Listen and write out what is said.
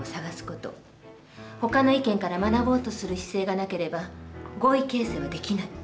ほかの意見から学ぼうとする姿勢がなければ合意形成はできない。